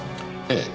ええ。